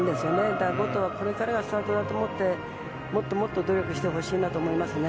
だから、後藤はこれからがスタートだと思ってもっと努力してほしいと思います。